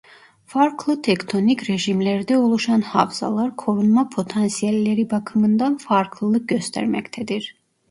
Farklı tektonik rejimlerde oluşan havzalar korunma potansiyelleri bakımından farklılık göstermektedir.